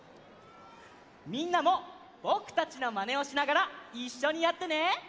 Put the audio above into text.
みんなもぼくたちのまねをしながらいっしょにやってね！